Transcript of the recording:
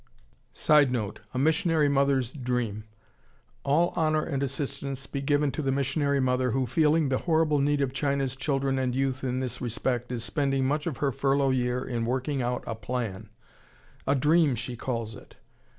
[Sidenote: A missionary mother's "dream."] All honor and assistance be given to the missionary mother who, feeling the horrible need of China's children and youth in this respect, is spending much of her furlough year in working out a plan, a "dream" she calls it.